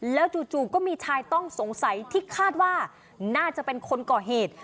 แล้วจู่ก็มีชายต้องสงสัยที่คาดว่าน่าจะเป็นคนก่อเหตุ